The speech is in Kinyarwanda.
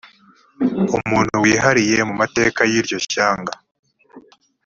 umuntu wihariye mu mateka y iryo shyanga